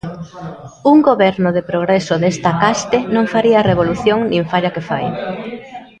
Un Goberno de progreso desta caste non faría a revolución, nin falla que fai.